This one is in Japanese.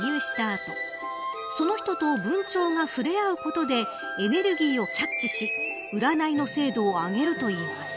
あとその人と文鳥が触れ合うことでエネルギーをキャッチし占いの精度を上げるといいます。